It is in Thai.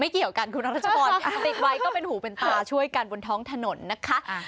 เกี่ยวกันคุณรัชพรติดไว้ก็เป็นหูเป็นตาช่วยกันบนท้องถนนนะคะ